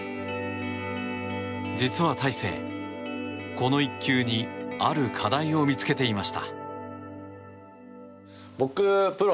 実は、大勢、この一球にある課題を見つけていました。